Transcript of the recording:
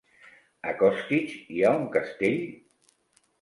A Costitx hi ha un castell?